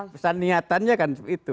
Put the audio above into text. pesan niatannya kan itu